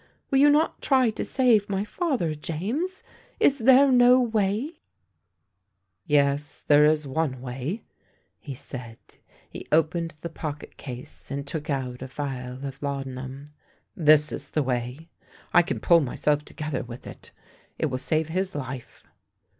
Will you not try to save my father, James? Is there no way? "" Yes, there is one way," he said. He opened the pocket case and took out a phial of laudanum. " This is the way. I can pull myself together with it. It will save his life."